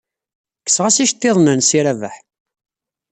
Kkseɣ-as iceḍḍiḍen-nnes i Rabaḥ.